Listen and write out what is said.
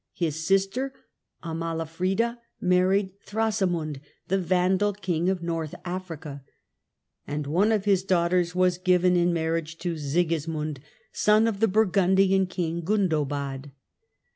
His sister, Amalafrida, arried Thrasamund, the Vandal king of North Africa, id one of his daughters was given in marriage to gismund, son of the Burgundian king, Gundobad.